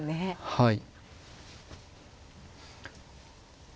はい。